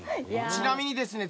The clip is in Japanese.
ちなみにですね